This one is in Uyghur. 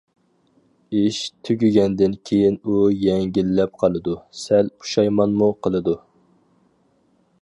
ئىش تۈگىگەندىن كېيىن ئۇ يەڭگىللەپ قالىدۇ، سەل پۇشايمانمۇ قىلىدۇ.